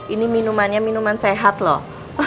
ini minumannya minuman sehat loh